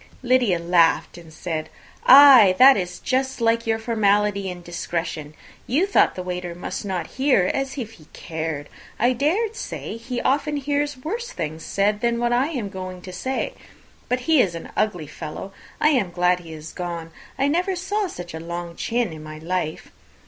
Lydia laughed, and said, "Ay, that is just like your formality and discretion. You thought the waiter must not hear, as if he cared! I dare say he often hears worse things said than I am going to say. But he is an ugly fellow! I am glad he is gone. I never saw such a long chin in my life.